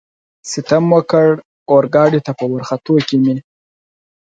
ستم وکړ، اورګاډي ته په ورختو کې مې.